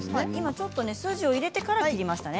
ちょっと筋を入れてから切りましたね。